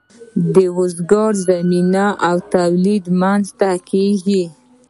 د روزګار زمینه او تولیدات رامینځ ته کیږي.